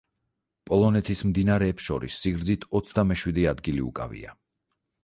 პოლონეთის მდინარეებს შორის სიგრძით ოცდამეშვიდე ადგილი უკავია.